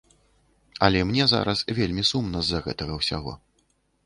Але мне зараз вельмі сумна з-за гэтага ўсяго.